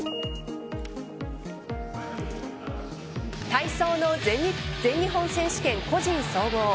体操の全日本選手権個人総合。